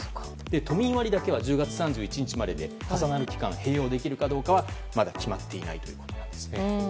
都民割は１０月３１日までで重なる期間併用できるかどうかはまだ決まっていないということです。